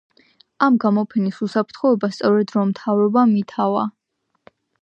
ამ გამოფენის უსაფრთხოება სწორედ რომ მთავრობამ ითავა.